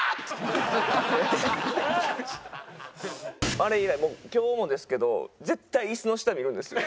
あれ以来もう今日もですけど絶対椅子の下見るんですよ。